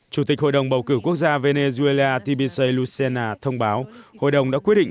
chủ tịch hội đồng bầu cử quốc gia venezuela tbshail lucena thông báo hội đồng đã quyết định